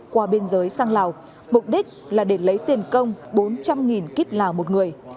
trên giới sang lào mục đích là để lấy tiền công bốn trăm linh kip lào một người